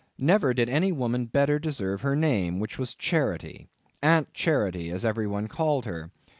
Never did any woman better deserve her name, which was Charity—Aunt Charity, as everybody called her.